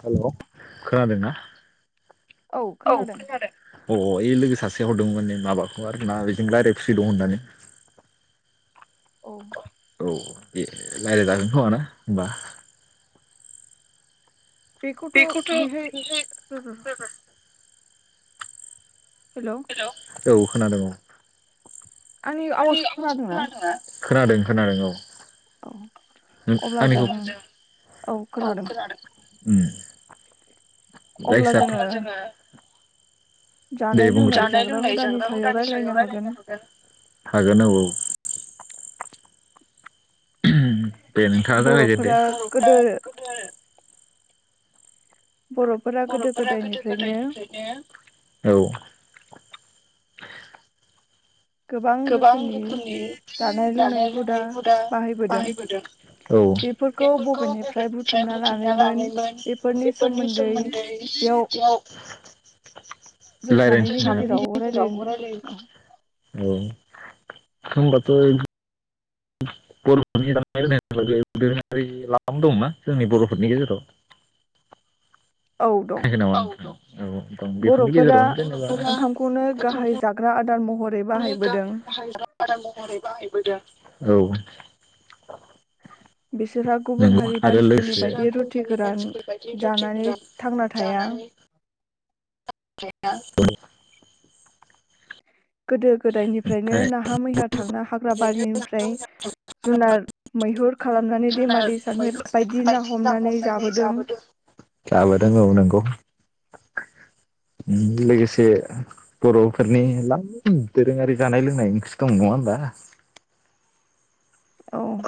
हेल' खोनादोंना? औ खोनादों अ इ लोगो सासेया हरदोंमो माने माबाखौ आरो ना बेजों रायलाय फ्रि दं होननानै औ औ ए रायज्लायजागोन खोमाना होनोमबा? बेखौथ' [unintelligible] र' र' हेलौ औ खोनादों औ आंनि आवाजखौ खोनादोंना? खोनादों खोनादों औ औ नों अब्ला जों आंनिखौ औ खोनादों। उम अब्ला बायसा जोङो दे बुंग्रो जानाय लोंनाय जाग्रा हुदानि सायाव रायलायनो हागोन हागोन औ [unintelligible] दे नोंथाङा जागायदो बर'फोरा गोदो दे बर'फोरा बर'फोरा गोदो गोदायनिफ्रायनो गोदायनिफ्रायनो औ [unintelligible] गोबां रोखोमनि जानाय लोंनाय हुदा बाहायबोदों औ बेफोरखौ बबेनिफ्राय बुथुमना लानायमोन बेफोरनि सोमोन्दै बेयाव जों सानैनि सानैनि गेजेराव रायलायनो औ [unintelligible] औ होमबाथ' बर'फोरनि दोरोङारि [unintelligible] दं ना जोंनि बर'फोरनि गेजेराव औ दं। बर'फोरा ओंखामखौनो गाहाय जाग्रा आदार महरै बाहायबोदों [unintelligible] [inaudible] महरै बाहायबोदों औ बिसोरहा गुबुन नंगौ हारि आरो मानसिफोरनि लोगोसे बायदि रुटि गंगारनि मानसिफोर गोरान बायदि रुटि जानानै गोरान थांना थाया जानानै [unintelligible] गोदो गोदायनिफ्रायनो नाहा मैहा थांना हाग्रा बारिनिफ्राय ओरैनो जुनार मैहुर खालामनानै खाना दैमा दै सानि मैहुर बायदि ना बायदिसिना हमनानै जाबोदों जाबोदों औ नंगौ लोगोसे बर'फोरनि ला दोरोङारि जानाय लोंनाय ओंख्रि दं नङा होमबा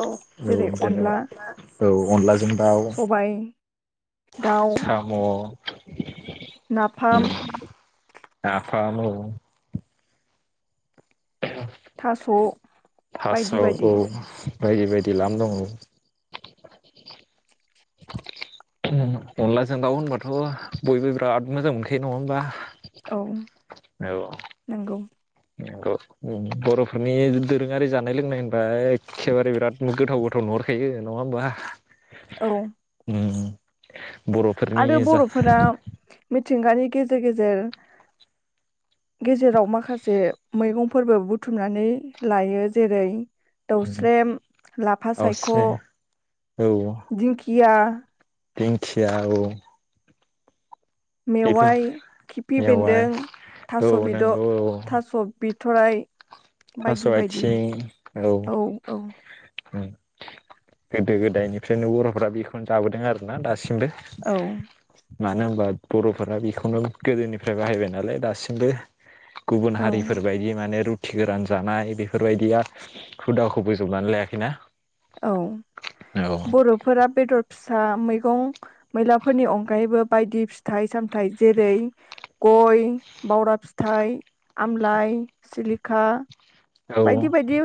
औ जेरै जेन' औ अनला अनलाजों दाउ सबाय दाउ साम' नाफाम फाम औ थास' थास' बायदि बायदि औ बायदि बायदि लाम दङ अनलाजों दाउ होनबाथ' बयबो बिराद मोजां मोनखायो नङा होमबा औ नोंगौ नंगो उम बर'फोरनि दोरोङारि जानाय लोंनाय होनबा एखेबारे बिराद गोथाव गोथाव नुहरखायो नङा होमबा औ उम बर'फोरनि आरो जा बर'फोरा मिथिंगानि गेजेर गेजेर गेजेराव माखासे मैगं फोरबो बुथुमनानै लायो जेरै दौस्रेम लाफा सायख' आवस्रि औ दिंखि [unintelligible] दिंखिया औ बेफोर मेवाइ खिफि मेवाइ बेन्दों औ थास' बिद' नंगौ औ थास' बि थराय थास आथिं औ ओं गोदो गोदायनिफ्रायनो बर'फोरा बेखौनो जाबोदों आरो ना दा सिमबो औ मानो होनबा बर'फोरा बेखौनो गोदोनिफ्राय बाहायबाय नालाय दासिमबो गुबुन औ हारिफोरबायदि माने रुथि गोरान जानाय बेफोरबायदिया हुदाखौ बोजबनानै लायाखैना औ औ बर'फोरा बेदर फिसा मैगं मैलाफोरनि अनगायैबो बायदि फिथाइ सामथाइ जेरै गय बावरा फिथाइ आमलाय सिलिक खा औ बायदि बायदि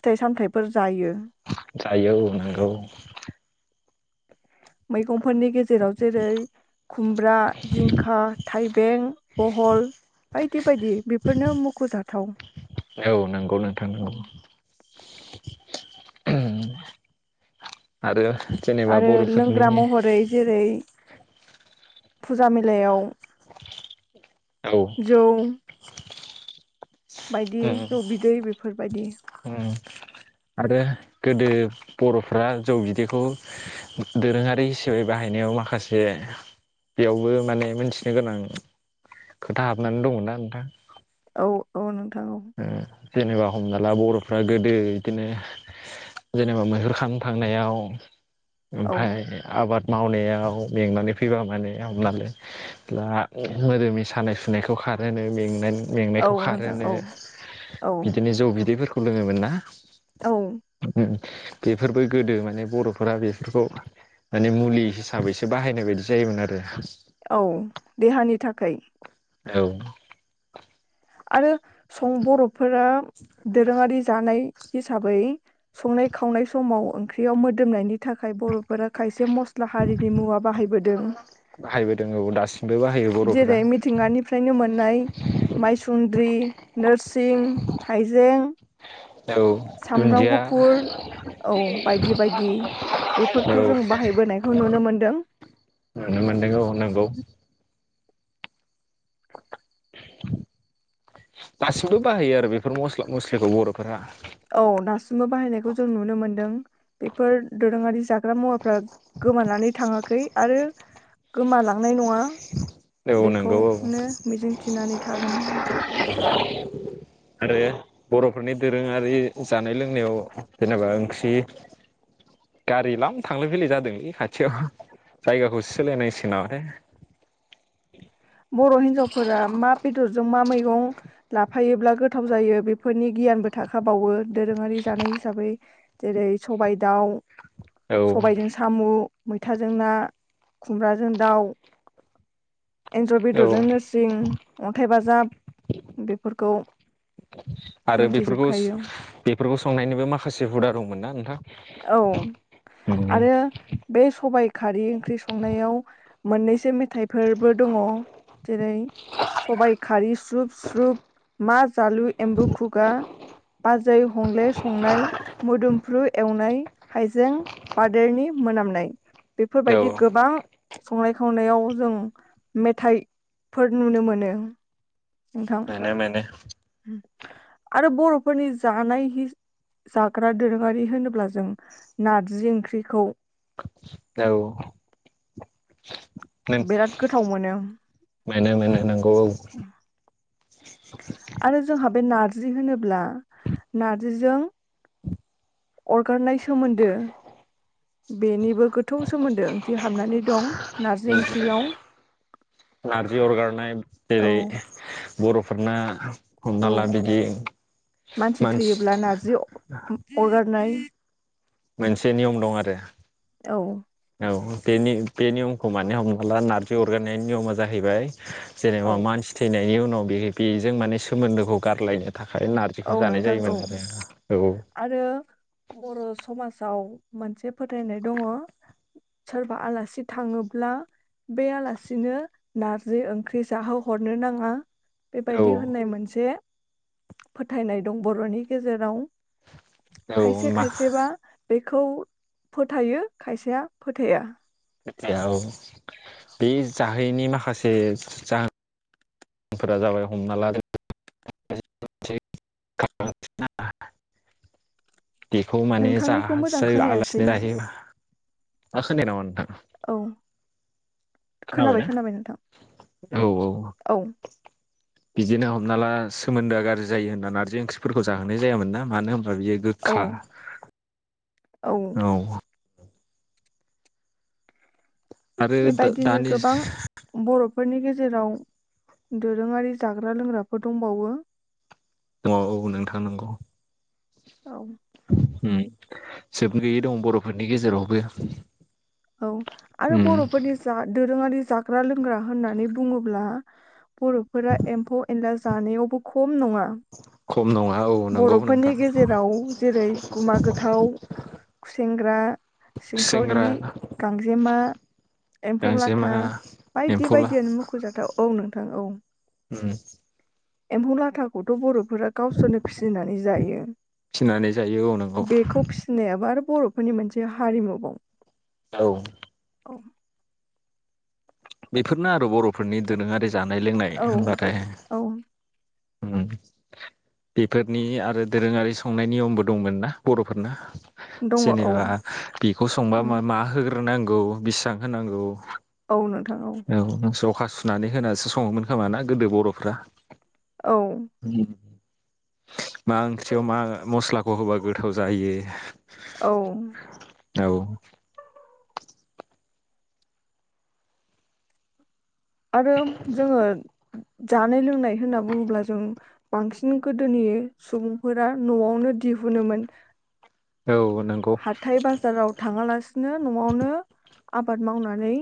फिथाइ सामथायाइफोर जायो जायो ओ नोंगौ। मैगंफोरनि गेजे जेराव जेरै खुमब्रा जिंखा थाइबें बहल बायदि बायदि बेफोरनो मुख'जाथाव औ नोंगौ नोंथां नोंगौ आरो जेनेबा आरो लोंग्रा बर'फोरनि महरै जेरै फुजा मेलायाव औ जौ बायदि उम जौ बिदै बेफोरबायदि उम आरो गोदो बर'फ्रा जौ बिदैखौ दोरोङारि हिसाबै बाहायनायाव माखासे बेयावबो माने मोनथिनो गोनां खोथा हाबनानै दङना नोंथां। औ औ नोंथां। औ उम जेनेबा हमना ला बर'फ्रा गोदो इदिनो जेनेबा मैहुर खालामनो थांनायाव औ ओमफाय आबाद मावनायाव मेंनानै फैबा माने हमनाल ला मोदोमै सानाय सुनायखौ खारहोनो मेंनानै औ मेंनायखौ नोंथां खारहोनो औ औ बिदिनो जौ बि बिदैफोरखौ लोङोमोन ना औ बेफोरबो गोदो माने बर'फोरा बेफोरखौ माने मुलि हिसाबैसो बाहायनाय बायदि जायोमोन आरो औ देहानि थाखाय औ आरो सं बर फोरा दोरोङारि जानाय हिसाबै संनाय खावनाय समाव ओंख्रियाव मोदोमनायनि थाखाय बर'फोरा खायसे जे मस्ला हारिनि मुवा बाहायबोदों दों बाहायबोदों दासिमबो बाहायो बर'फोरा जेरै न्द्रि नोरसिं हाइजें औ सामब्राम दुन्दिया गुफुर औ बायदि बायदि औ बेफोरखौ जों बाहायबोनायखौ नुनो मोनदों। नुनो मोनदों औ नंगौ दासिमबो बाहायो आरो बेफोर मस्ला मस्लिखौ बर'फोरा औ दासिमबो बाहायनायखौ जों नुनो मोनदों बेफोर दोरोङारि जाग्रा मुवाफ्रा गोमानानै थाङाखै आरो गोमालाङो नाय नङा औ नंगौ औ बेखौनो मिजिंथिनानै थागोन। आरो बर'फोरनि दोरोङारि जानाय लोंनायाव जेनेबा ओंख्रि गारि लाम थांलाय फैलाय जादोंलै खाथियाव जायगाखौसो सोलाय नांसिनगोन नामाथाय। बर' हिन्जावफोरा मा बेदरजों मा मै मैगं लाफायोब्ला गोथाव जायो बेफोरनि गियानबो थाखाबावो दोरोङारि जानाय हिसाबै जेरै सबाय दाउ। औ सबायजों साम' मैथाजों ना खुमब्राजों दाउ एन्जर औ बेदरजों नोरसिं अन्थाइ बाजाब बेफोरखौ आरो बेफोरखौ मोनथिजोबखायो बेफोरखौ संनायनिबो माखासे हुदा दंमोन ना नोंथां औ औ मोनो आरो बे सबाइ खारै ओंख्रि संनायाव मोननैसो मोन हाथाइफोरबो दङ जेरै सबाय खारि स्रुब स्रुब मा जालु एम्बु खुगा। जाय [unintelligible] संनाय मोदो फ्रुय एवनाय हाइजें बादेरनि मोनामनाय बेफोरबायदि गोबां संनाय खावनायाव जों मेथाइफोर नुनो मोनो। नोंथां मोनो मोनो आरो बर'फोरनि जानाय जाग्रा दोरोङारि होनोब्ला जों नार्जि ओंख्रिखौ औ नों बिराद गोथाव मोनो मोनो मोनो नंगौ औ आरो जोंहा बे नार्जि होनोब्ला नारजिजों अरगारनाय सोमोन्दो। बेनिबो गो सोमोन्दो ओंथि हाबनानै दं नारजि ओंख्रियाव नारजि अरगारनाय जेरै औ बर'फोरना हमना औ ला बिदि मानसि थैयोब्ला नारजि अरगारनाय मोनसे नियम दं आरो औ औ बेनि‌ बेनि हमानो हमना ला नारजि अरगायनायनि नियमा जाहैबाय औ जेनेबा मानसि थैनायनि उ नाव बे बेजों माने सोमोन्दोखौ गारलायनो थाखाय नारजिखौ औ जानाय नोंथां औ जायोमोन आरो औ आरो बर' समाजाव मोनसे फोथायनाय दङ सोरबा आलासि थाङोब्ला बे आलासिनो नारजि ओंख्रि जाहोहरनो नाङा औ बेबायदि होननाय मोनसे फोथायनाय दं बर'नि गेजेराव औ खायसे खायसेबा बे बेखौ फोथायो खायसेया फोथाया खोथि औ बे जाहैनि मा खासे जाहोन फोरा जाबाय हमना लादो बेखौ माने नोंथांनिखौ मोजां जासै खोनायासै आलासिनो जाहोयो आं खोनाया नामा नोंथां औ खोनाबाय खोनाबायना खोनाबाय नोंथां औ। बिदि नो हमना ला सोमोन्दोआ गाज्रिायो होनना नारजि ओंख्रिफोरखौ जाहोनाय जायामोन ना मानो होम बा बियो औ गोखा औ आरो बेबायदिनो दानि गोबां बर' फोरनि गेजेराव दोरोङारि जाग्रा लोंग्राफोर दंबावो औ नोंगौ नंगौ औ उम जोबनो गैयै दं बर'फोरनि गेजेरावबो। औ आरो उम बर'फोरनि जा दोरोङारि जाग्रा लोंग्रा होननानै बुङोब्ला बर'फोरा एम्फौ एनला जानायावबो खम नङा। खम नङा औ नंगौ नोंथां बर'फोरनि गेजेराव जेरै गुमा गोथाव- खुसेेंग्रा सिंग्राना जेमा एम्फौ लाथा बायदि एम्फौला बायदियानो मोख'जाथाव औ नों औ उम एम्फौ लाथाखौथ' बरफ गावसोरनो फिसिनानै जायो फिनानै जायो औ नंगौ बेखौ फिसिनायाबो आरो बर'फोरनि मोनसे हारिमु बाव औ औ बेफोरनो आरो बर'फोरनि दोरोङारि जानाय लोंनाय औ होनबाथाय औ ओम बेफोरनि आरो दोरोङारि संनाय नियमबो दंमोन ना बर'फोरना दङ औ जेनेबा बेखौ संबा उम मा मा होगो फोरोनांगौ बेसेबां होनांगौ औ नोंथां औ होननानै होनासो सङोमोन खोमा ना गोदो बर'फ्रा औ मा ओंख्रियाव मा मस्लाखौ होबा गोथाव जायो औ औ आरो जोङो जानाय लोंनाय होनना बुङोब्ला जों बांसिन गोदोनि सुबुंफोरा न'आवनो दिहुनोमोन औ नंगौ हाथाय बाजाराव थाङालासिनो न'आवनो आबाद मावनानै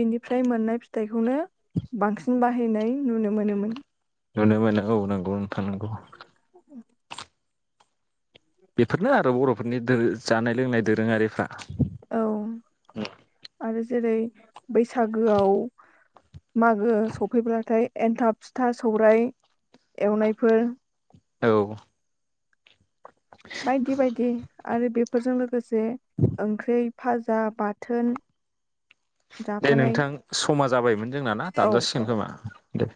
बेनिफ्राय मोननाय फिथाइखौनो बांसिन बाहाय बाहायनाय नुनो मोनोमोन नुनो मोनो [unintelligible] गुनथानांगौ [unintelligible] बेफोरनो आरो बर'फोरनि दों जानाय लोंनाय दोरोङारिफ्रा औ आरो जेरै बैसागोआव मागो सफैब्लाथाय एन्थाब फिथा सौराय एवनायफोर औ बायदि बायदि आरो बेफोरजों लोगोसे ओंख्रि भाजा बाथोन दे जाफानाय नोंथां समा जाबायमोन जोंना ना औ दानजासिगोन खोमा दे